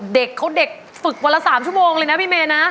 เด็กเขาเด็กฝึกวันละ๓ชั่วโมงเลยนะพี่เมย์นะ